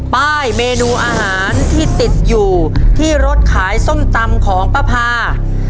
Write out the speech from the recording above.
ป้ายเมนูอาหารที่ติดอยู่ที่รถขายส้มตำของป้าพา